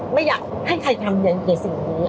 ไม่อยากให้ใครทำอย่างแก่สิ่งนี้